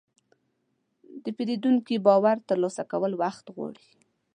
د پیرودونکي باور ترلاسه کول وخت غواړي.